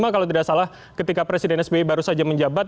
kalau tidak salah ketika presiden sbi baru saja menjabat